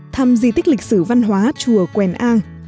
thăm di tích lịch sử văn hóa chùa an